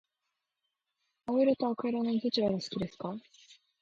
青色と赤色のどちらが好きですか？